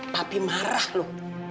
papi marah loh